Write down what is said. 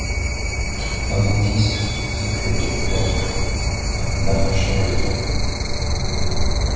Un dentiste s’appelait autrefois un arracheur de dent.